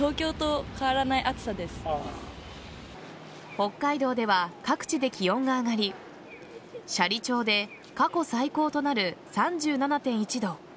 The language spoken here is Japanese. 北海道では各地で気温が上がり斜里町で過去最高となる３７．１度